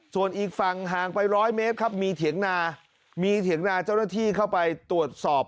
ส่วนอีกฝั่งห่างไปร้อยเมตรครับมีเถียงนามีเถียงนาเจ้าหน้าที่เข้าไปตรวจสอบ